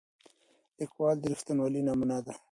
لیکوال د رښتینولۍ نمونه ده.